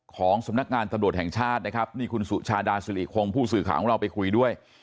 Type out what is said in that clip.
ของสำนักงานตำรวจแห่งชาตินะครับนี่คุณสุชาดาสิริคงผู้สื่อข่าวของเราไปคุยด้วย